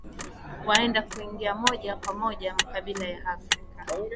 waenda kuingia moja kwa moja makabila ya afrika